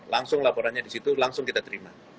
langsung laporannya di situ langsung kita terima